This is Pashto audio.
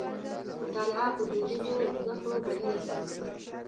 مطالعه په دودیزو زدکړو بدله شوه.